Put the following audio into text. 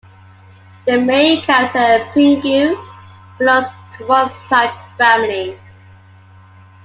The main character, Pingu, belongs to one such family.